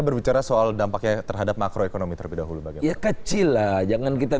berbicara soal dampaknya terhadap makroekonomi terlebih dahulu bagaimana kecil lah jangan kita